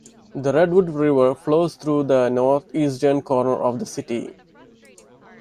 The Redwood River flows through the northeastern corner of the city.